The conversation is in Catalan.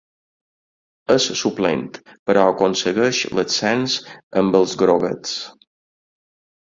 És suplent, però aconsegueix l'ascens amb els groguets.